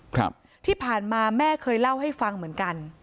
ครับที่ผ่านมาแม่เคยเล่าให้ฟังเหมือนกัน